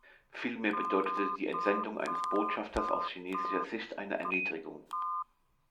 Vielmehr bedeutete die Entsendung eines Botschafters aus chinesischer Sicht eine Erniedrigung.